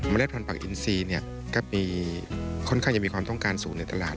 เล็ดพันธักอินซีก็มีค่อนข้างจะมีความต้องการสูงในตลาด